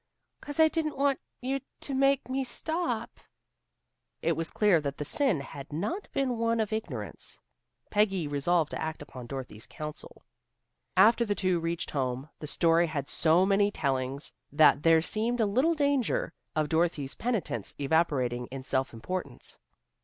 "'Cause I didn't want you to make me stop." It was clear that the sin had not been one of ignorance. Peggy resolved to act upon Dorothy's counsel. After the two reached home, the story had so many tellings that there seemed a little danger of Dorothy's penitence evaporating in self importance.